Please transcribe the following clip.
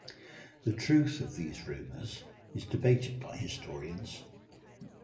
The truth of these rumors is debated by historians.